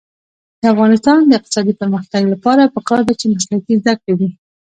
د افغانستان د اقتصادي پرمختګ لپاره پکار ده چې مسلکي زده کړې وي.